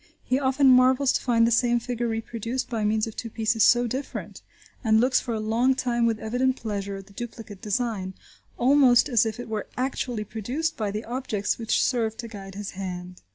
He often marvels to find the same figure reproduced by means of two pieces so different, and looks for a long time with evident pleasure at the duplicate design–almost as if it were actually produced by the objects which serve to guide his hand.